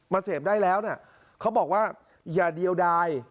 เสพได้แล้วนะเขาบอกว่าอย่าเดียวดาย